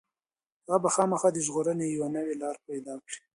هغه به خامخا د ژغورنې یوه نوې لاره پيدا کړي.